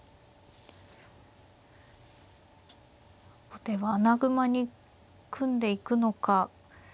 後手は穴熊に組んでいくのか。